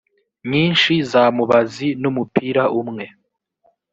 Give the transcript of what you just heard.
nyinshi za mubazi n umupira umwe